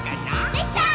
できたー！